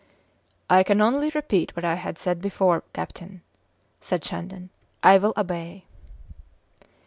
"I can only repeat what I said before, captain," said Shandon "I will obey."